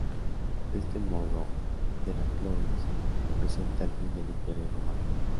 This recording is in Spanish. De este modo Delacroix representa el fin del Imperio Romano.